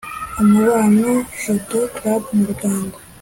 umubano judo club mu rwanda